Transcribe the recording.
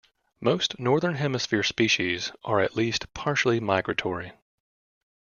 Most Northern Hemisphere species are at least partially migratory.